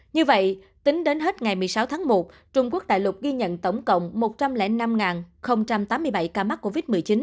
như vậy tính đến hết ngày một mươi sáu tháng một trung quốc đại lục ghi nhận tổng cộng một trăm linh năm tám mươi bảy ca mắc covid một mươi chín